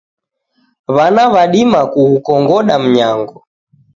W'ana w'adima kughukongoda mnyango.